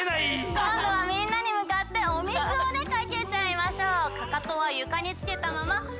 こんどはみんなにむかってお水をねかけちゃいましょう。